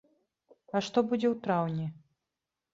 А што будзе ў траўні?